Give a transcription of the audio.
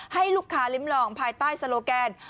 ให้ลูกค้าลิ้มลองภายใต้โลแกน